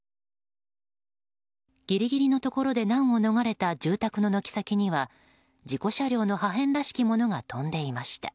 ギリギリのところで難を逃れた住宅の軒先には事故車両の破片らしきものが飛んでいました。